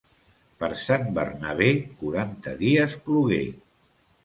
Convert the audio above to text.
Per Sant Bernabé quaranta dies plogué.